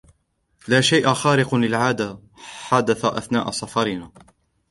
لا شيء خارق للعادة حدث أثناء سفرنا.